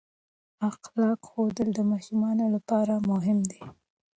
اخلاق ښوول د ماشومانو لپاره مهم دي.